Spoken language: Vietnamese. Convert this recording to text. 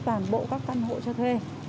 toàn bộ các căn hộ cho thuê